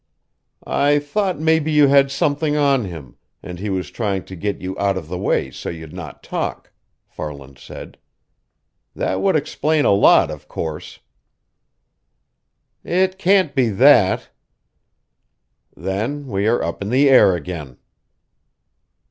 "I thought maybe you had something on him, and he was trying to get you out of the way so you'd not talk," Farland said. "That would explain a lot, of course." "It can't be that." "Then we are up in the air again."